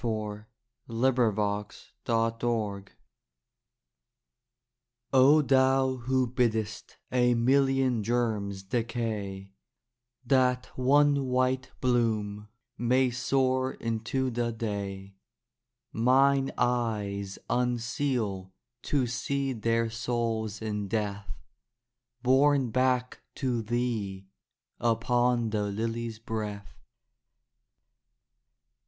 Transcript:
"O Thou who bidd'st" O Thou who bidd'st a million germs decay That one white bloom may soar into the day, Mine eyes unseal to see their souls in death Borne back to Thee upon the lily's breath.